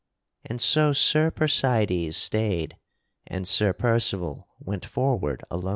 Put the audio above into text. And so Sir Percydes stayed and Sir Percival went forward alone.